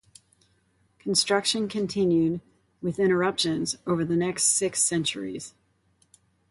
Construction continued, with interruptions, over the next six centuries.